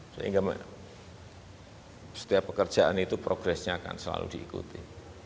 sehingga setiap pekerjaan itu progresnya akan selalu diikuti